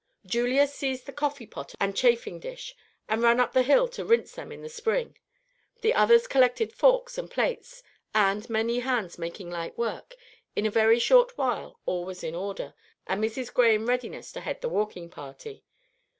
Julia seized the coffee pot and chafing dish, and ran up the hill to rinse them at the spring; the others collected forks and plates; and, many hands making light work, in a very short while all was in order, and Mrs. Gray in readiness to head the walking party.